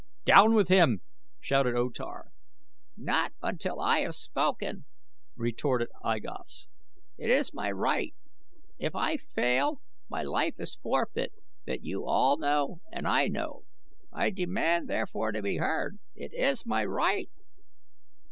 "Down with him!" shouted O Tar. "Not until I have spoken," retorted I Gos. "It is my right. If I fail my life is forfeit that you all know and I know. I demand therefore to be heard. It is my right!"